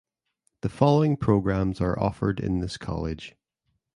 The following programs are offered in this college.